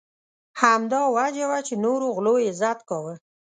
همدا وجه وه چې نورو غلو یې عزت کاوه.